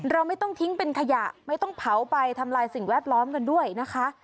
เราไม่ต้องทิ้งเป็นขยะไม่ต้องเผาไปทำลายสิ่งแวดล้อมกันด้วยนะคะ